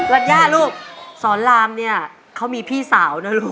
รัญญาลูกสอนรามเนี่ยเขามีพี่สาวนะลูก